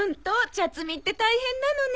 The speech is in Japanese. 茶摘みって大変なのね。